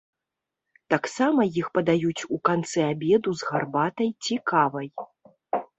Таксама іх падаюць у канцы абеду з гарбатай ці кавай.